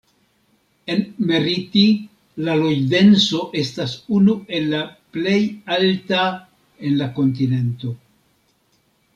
En Meriti la loĝdenso estas unu el la plej alta en la kontinento.